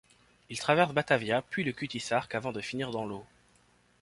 Ils traversent Batavia, puis le Cutty Sark avant de finir dans l'eau.